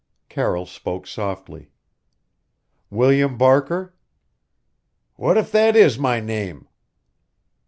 Carroll spoke softly. "William Barker?" "What if that is my name?"